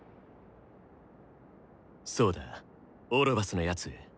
そうだオロバスのヤツ